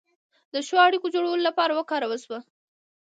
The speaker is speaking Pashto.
د ښو اړیکو جوړولو لپاره وکارول شوه.